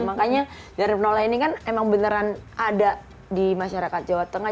makanya dari penola ini kan emang beneran ada di masyarakat jawa tengah